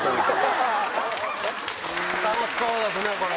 楽しそうですねこれ。